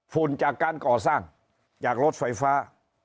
ฝุ่นจากการก่อสร้างจากรถไฟฟ้า